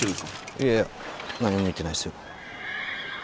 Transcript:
いやいや何も見てないっすよ。